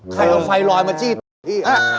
ไข่เอาไฟรอยมาจี้ตัวพี่